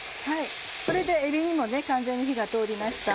これでえびにも完全に火が通りました。